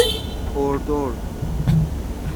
اردور